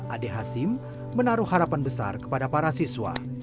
adik hasim menaruh harapan besar kepada para siswa